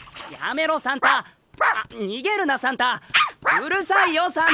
うるさいよサンタ！